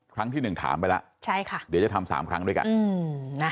ครั้งที่๑ถามไปแล้วเดี๋ยวจะทำ๓ครั้งด้วยกัน